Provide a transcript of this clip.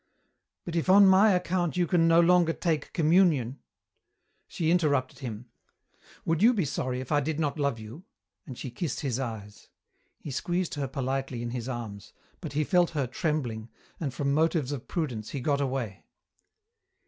"But if on my account you can no longer take communion " She interrupted him. "Would you be sorry if I did not love you?" and she kissed his eyes. He squeezed her politely in his arms, but he felt her trembling, and from motives of prudence he got away.